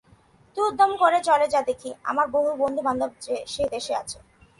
তুই উদ্যম করে চলে যা দেখি! আমার বহু বন্ধুবান্ধব সে দেশে আছে।